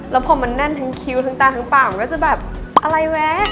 แล้วพอมันแน่นทั้งคิ้วทั้งตาทั้งปากมันก็จะแบบอะไรแวะ